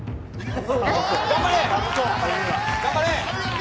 頑張れ。